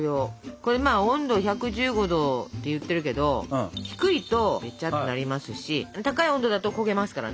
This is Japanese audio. これまあ温度１１５℃って言ってるけど低いとべちゃっとなりますし高い温度だと焦げますからね。